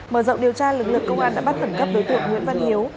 mở rộng điều tra lực lượng công an đã bắt khẩn cấp đối tượng nguyễn văn hiếu